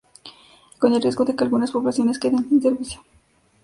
con el riesgo de que algunas poblaciones queden sin servicio